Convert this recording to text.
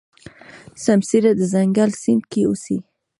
سمسيره د ځنګل سیند کې اوسي.